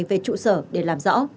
về trụ sở để làm rõ